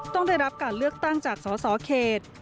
ต้องได้รับการเลือกตั้งจากสสเขต